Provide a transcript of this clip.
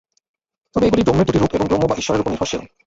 তবে এগুলি ব্রহ্মের দুটি রূপ এবং ব্রহ্ম বা ঈশ্বরের উপর নির্ভরশীল।